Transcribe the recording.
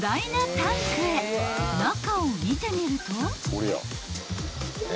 ［中を見てみると］